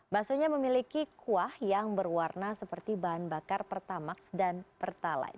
baksonya memiliki kuah yang berwarna seperti bahan bakar pertamax dan pertalite